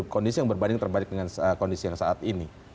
kondisi yang berbanding terbalik dengan kondisi yang saat ini